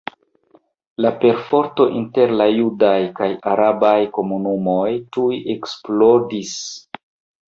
La perforto inter la judaj kaj arabaj komunumoj tuj eksplodis.